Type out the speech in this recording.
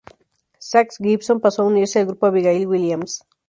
Zach Gibson pasó a unirse al grupo Abigail Williams.